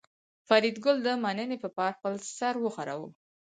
فریدګل د مننې په پار خپل سر وښوراوه